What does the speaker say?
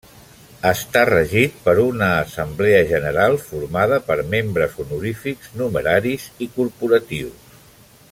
Està regit per una assemblea general formada per membres honorífics, numeraris i corporatius.